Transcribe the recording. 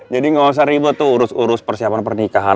jadi gak usah ribet tuh urus urus persiapan pernikahan